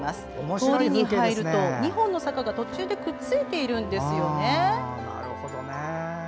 通りに入ると、２本の坂が途中でくっついているんですよね。